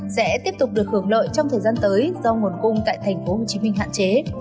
sẽ tiếp tục được hưởng lợi trong thời gian tới do nguồn cung tại thành phố hồ chí minh hạn chế